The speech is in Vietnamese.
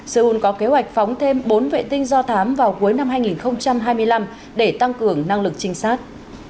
seoul có kế hoạch phóng thêm bốn vệ tinh do thám vào cuối năm hai nghìn hai mươi năm để tăng cường năng lực trinh sát